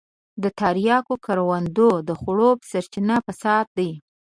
د تریاکو کروندو د خړوب سرچينه فساد دی.